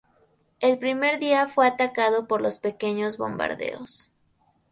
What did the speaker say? El primer día fue atacado por los pequeños bombarderos.